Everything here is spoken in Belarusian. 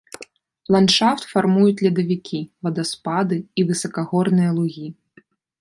Ландшафт фармуюць ледавікі, вадаспады і высакагорныя лугі.